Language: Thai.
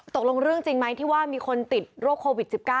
ตกลงเรื่องจริงไหมที่ว่ามีคนติดโรคโควิด๑๙